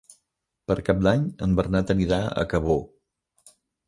Per Cap d'Any en Bernat anirà a Cabó.